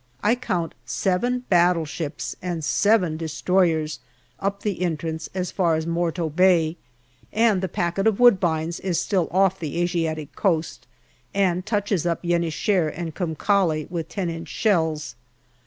I count seven battle ships and seven destroyers up the entrance as far as Morto Bay ; the " packet of Woodbines " is still off the Asiatic coast and touches up Yen i Shehr and Kum Kale with lo inch shells.